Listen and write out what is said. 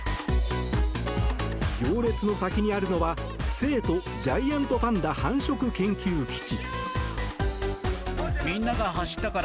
行列の先にあるのは成都ジャイアントパンダ繁殖研究基地。